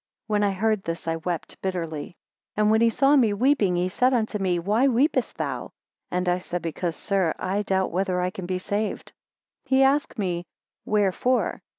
5 When I heard this, I wept bitterly; and when he saw me weeping, he said unto me, Why weepest thou? And I said, Because, sir, I doubt whether I can be saved. 6 He asked me, Wherefore?